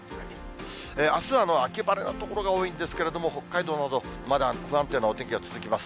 あすは秋晴れの所が多いんですけれども、北海道などまだ不安定なお天気が続きます。